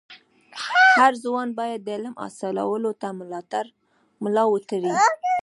هر ځوان باید د علم حاصلولو ته ملا و تړي.